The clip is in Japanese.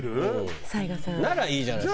ならいいじゃない。